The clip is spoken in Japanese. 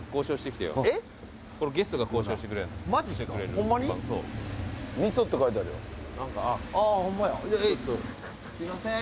すいません。